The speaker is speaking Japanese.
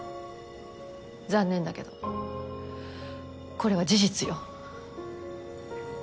残念だけどこれは事実よ。